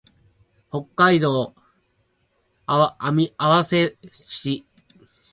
北海道網走市